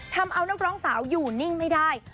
ทำเอานักร้องสาวอยู่นิ่งไม่ได้